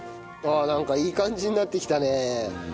ああなんかいい感じになってきたね。